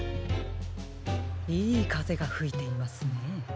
いいかぜがふいていますね。